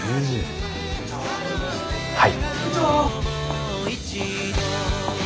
はい。